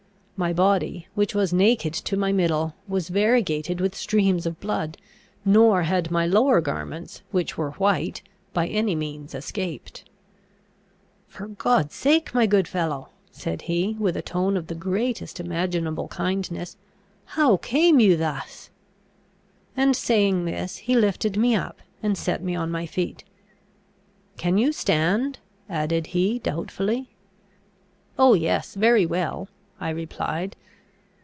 My body, which was naked to my middle, was variegated with streams of blood; nor had my lower garments, which were white, by any means escaped. "For God's sake, my good fellow!" said he, with a tone of the greatest imaginable kindness, "how came you thus?" and, saying this, he lifted me up, and set me on my feet. "Can you stand?" added he, doubtfully. "Oh, yes, very well," I replied.